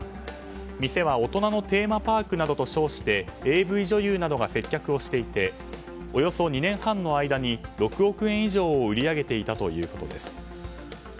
店は大人のテーマパークなどと称してＡＶ女優などが接客をしていておよそ２年半の間に６億円以上を売り上げていたということです。